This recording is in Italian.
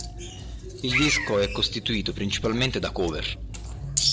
Il disco è costituito principalmente da cover.